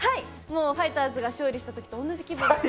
ファイターズが勝利したときと同じ気分です。